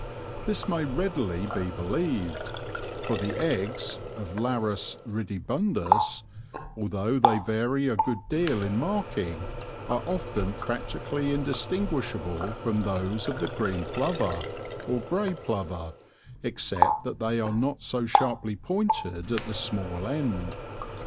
This may readily be believed, for the eggs of Larus Ridibundus, although they vary a good deal in marking, are often practically indistinguishable from those of the green plover, or grey plover, except that they are not so sharply pointed at the small end.